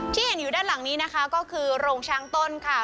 ที่เห็นอยู่ด้านหลังนี้นะคะก็คือโรงช้างต้นค่ะ